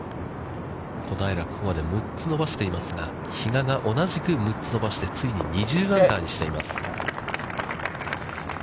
小平、ここまで６つ伸ばしていますが、比嘉が同じく６つ伸ばして、ついに２０アンダーにしています。